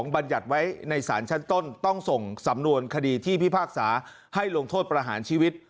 บรรยัติไว้ในสารชั้นต้นต้องส่งสำนวนคดีที่พิพากษาให้ลงโทษประหารชีวิต